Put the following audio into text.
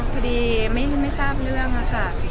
พอดีไม่ทราบเรื่องค่ะ